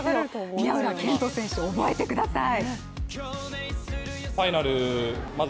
宮浦健人選手、覚えてください。